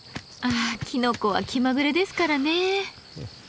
あきのこは気まぐれですからね。